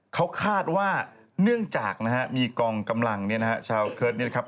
เขาคาดว่าเนื่องจากมีกองกำลังชาวเคิร์ดนี่นะครับ